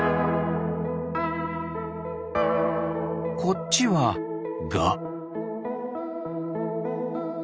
こっちはガ。